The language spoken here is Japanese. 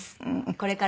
これからも。